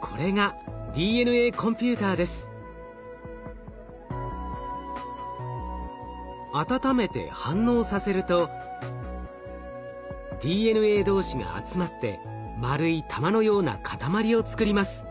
これが温めて反応させるとＤＮＡ同士が集まって丸い球のような塊を作ります。